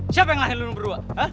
siapa yang lahir lo berdua